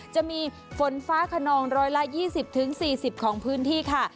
จะมีฝนฟ้าขนอง๑๒๐๔๐ของพื้นที่ค่ะ